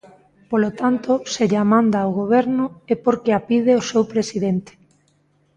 Polo tanto, se lla manda ao Goberno, é porque a pide o seu presidente.